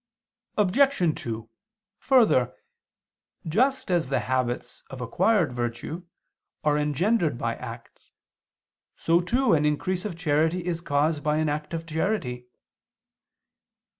Obj. 2: Further, just as the habits of acquired virtue are engendered by acts, so too an increase of charity is caused by an act of charity.